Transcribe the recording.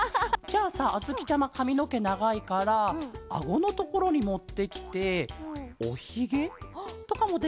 じゃあさあづきちゃまかみのけながいからあごのところにもってきておひげとかもできるケロよね？